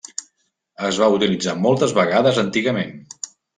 Es va utilitzar moltes vegades antigament.